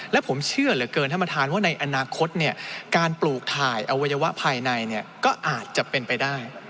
และผมเชื่อเหลือเกินท่านประธานว่าในอนาคตการปลูกถ่ายอวัยวะภายในก็อาจจะเป็นไปได้